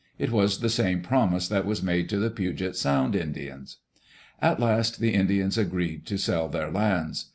It was the same promise that was made to the Puget Sound Indians. At last the Indians agreed to sell their lands.